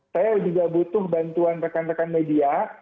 saya juga butuh bantuan rekan rekan media